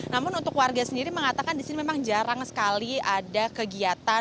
namun untuk warga sendiri mengatakan di sini memang jarang sekali ada kegiatan